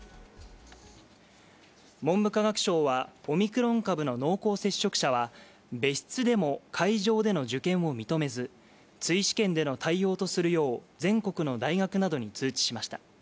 文部科学省はオミクロン株の濃厚接触者は別室でも会場での受験を認めず追試験での対応とするよう全国の大学などに通知しました。